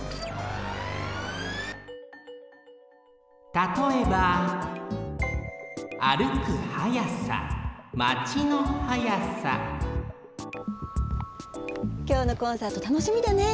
たとえばきょうのコンサートたのしみだね。